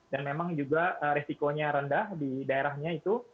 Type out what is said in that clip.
dan memang juga resikonya rendah di daerahnya itu